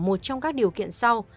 một trong các điều kiện sau